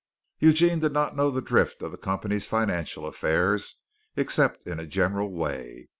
Eugene did not know the drift of the company's financial affairs, except in a general way.